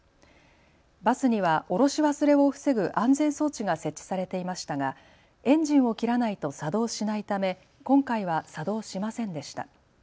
バスには降ろし忘れを防ぐ安全措置が設置されていましたがエンジンを切らないと作動しないため、今回は作動しませんでした。